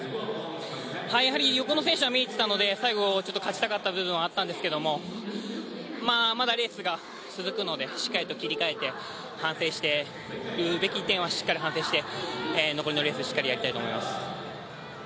やはり横の選手が見えてたので、最後、勝ちたかったというのはあるんですけどまだレースが続くのでしっかりと切り替えて反省すべき点はしっかりと反省して残りのレースしっかりやりたいと思います。